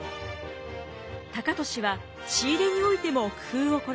高利は仕入れにおいても工夫を凝らします。